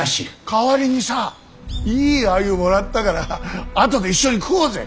代わりにさいい鮎もらったから後で一緒に食おうぜ。